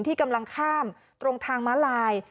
ที่กำลังข้ามตรงทางม้าลาย